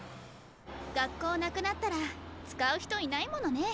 学校なくなったら使う人いないものね。